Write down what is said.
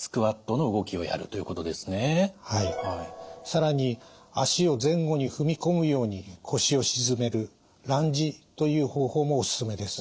更に足を前後に踏み込むように腰を沈めるランジという方法もおすすめです。